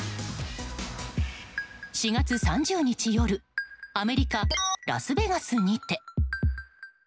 ４月３０日夜アメリカ・ラスベガスにて。